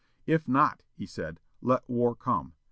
"If not," he said, "let war come.